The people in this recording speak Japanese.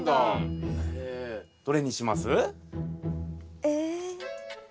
どれにします？え。